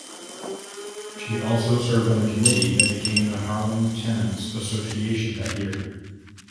She also served on the committee that became the Harlem Tenants Association that year.